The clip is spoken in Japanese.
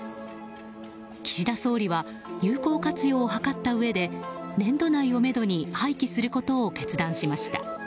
岸田総理は有効活用を図ったうえで年度内をめどに廃棄することを決断しました。